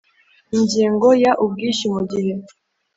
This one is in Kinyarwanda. Ingingo ya Ubwishyu mu gihe